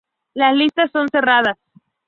Las listas son cerradas.